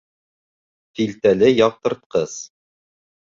Филтәле яҡтыртҡыс.